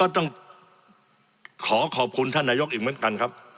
ต้องขอขอบคุณท่านนายกอีกเหมือนกันครับ